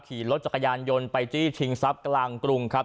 ขี่รถจักรยานยนต์ไปจี้ชิงทรัพย์กลางกรุงครับ